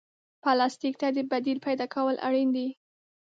پلاستيک ته د بدیل پیدا کول اړین دي.